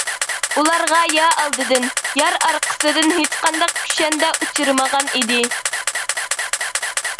ئۇلارغا يا ئالدىدىن، يار ئارقىسىدىن ھېچقانداق كۈشەندە ئۇچرىمىغانىدى.